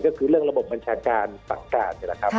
ก็คือเรื่องระบบบัญชาการฝั่งการ